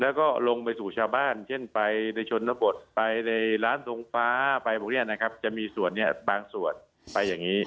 แล้วก็ลงไปสู่ชาวบ้านเช่นไปในชนบทไปในร้านทรงฟ้าไปพวกนี้นะครับจะมีส่วนบางส่วนไปอย่างนี้